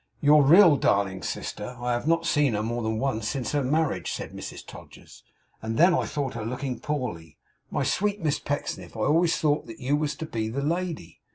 'Your real darling sister, I have not seen her more than once since her marriage,' said Mrs Todgers, 'and then I thought her looking poorly. My sweet Miss Pecksniff, I always thought that you was to be the lady?